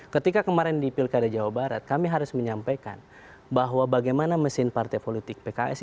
ketika kemarin di pilkada jawa barat kami harus menyampaikan bahwa bagaimana mesin partai politik pks